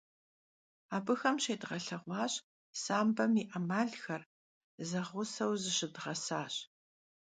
Abıxem şêdğelheğuaş sambem yi 'emalxer, zeğuseu zışıdğesaş.